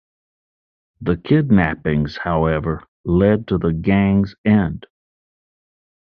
The kidnappings, however, led to the gang's end.